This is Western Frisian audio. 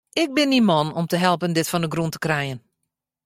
Ik bin dyn man om te helpen dit fan 'e grûn te krijen.